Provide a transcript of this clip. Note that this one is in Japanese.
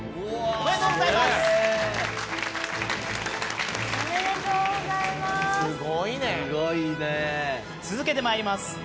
おめでとうございます！